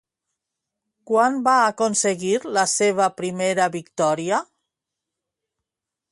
Quan va aconseguir la seva primera victòria?